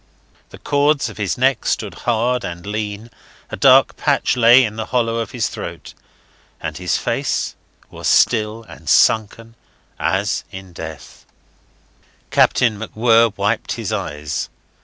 The cords of his neck stood hard and lean, a dark patch lay in the hollow of his throat, and his face was still and sunken as in death. Captain MacWhirr wiped his eyes.